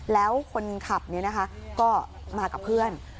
แล้วคนขับเนี่ยนะคะก็มากับเพื่อน